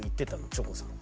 チョコさんは。